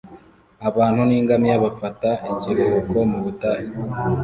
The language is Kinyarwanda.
Abantu n'ingamiya bafata ikiruhuko mu butayu